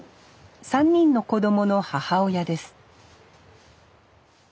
３人の子供の母親です